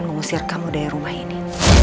mengusir kamu dari rumah ini